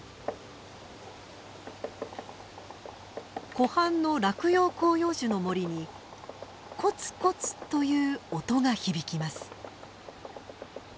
湖畔の落葉広葉樹の森にコツコツという音が響きます。